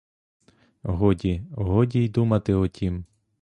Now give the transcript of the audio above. Годі, годі й думати о тім!